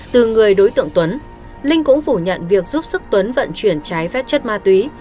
từ người đối tượng tuấn linh cũng phủ nhận việc giúp sức tuấn vận chuyển trái phép chất ma túy